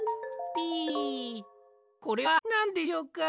ピこれはなんでしょうか？